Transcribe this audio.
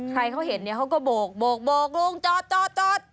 ใครเขาเห็นเนี่ยเขาก็โบกลุงจอดจอด